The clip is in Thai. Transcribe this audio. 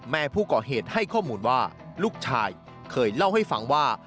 แม่ผู้ก่อเหตุให้ข้อมูลว่าลูกชายเคยเล่าให้ฟังว่า